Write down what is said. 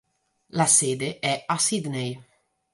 La sede è a Sydney.